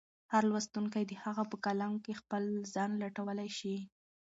هر لوستونکی د هغه په کلام کې خپل ځان لټولی شي.